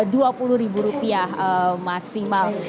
di rp dua puluh maksimal